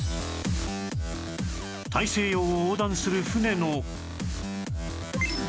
大西洋を横断する船の